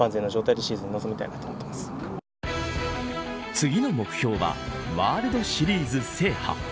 次の目標はワールドシリーズ制覇。